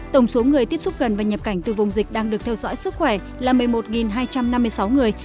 tổng số người tiếp xúc gần và nhập cảnh từ vùng dịch đang được theo dõi sức khỏe là một mươi một hai trăm năm mươi sáu người